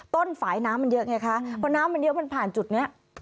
ฝ่ายน้ำมันเยอะไงคะพอน้ำมันเยอะมันผ่านจุดนี้